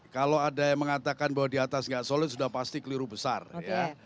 kalau ada yang mengatakan bahwa di atas nggak solid sudah pasti keliru besar ya